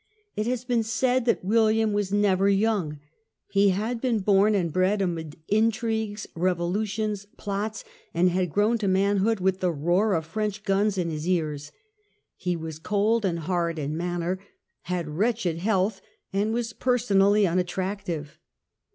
It has been said that William was never young. He had been born and bred amid intrigues, revolutions, plots; and had grown to manhood with the roar of French guns in his ears. He was cold and hard in manner, had wretched health, and was personally unattractive.